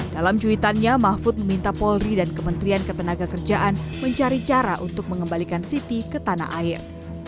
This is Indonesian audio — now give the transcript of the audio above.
dalam cuitannya mahfud meminta polri dan kementerian ketenaga kerjaan mencari cara untuk mengembalikan siti ke tanah air